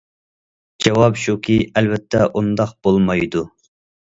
جاۋاب شۇكى، ئەلۋەتتە ئۇنداق بولمايدۇ.